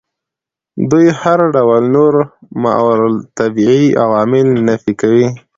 دوی هر ډول نور ماورا الطبیعي عوامل نفي کوي.